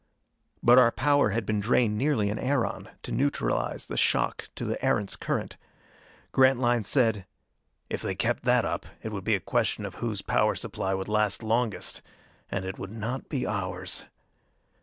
But our power had been drained nearly an aeron, to neutralize the shock to the Erentz current. Grantline said: "If they kept that up, it would be a question of whose power supply would last longest. And it would not be ours....